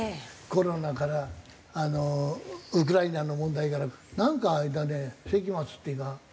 コロナからウクライナの問題からなんかあれだね世紀末っていうか。